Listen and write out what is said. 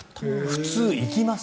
普通、行きます。